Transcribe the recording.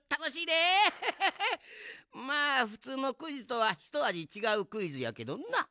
まあふつうのクイズとはひとあじちがうクイズやけどな。